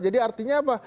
jadi artinya apa